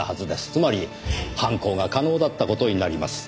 つまり犯行が可能だった事になります。